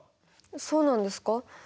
そうなんですか？